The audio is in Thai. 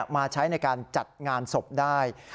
มาใช้ในการจัดงานศพได้